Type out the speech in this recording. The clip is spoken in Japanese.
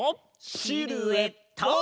シルエット！